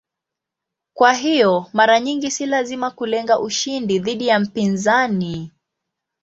Kwa hiyo mara nyingi si lazima kulenga ushindi dhidi ya mpinzani.